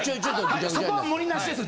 そこは盛りナシです